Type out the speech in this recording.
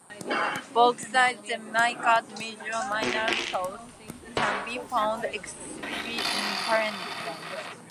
Bauxite, Jamaica's major mineral source, can be found extensively in Clarendon.